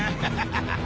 ハハハハ！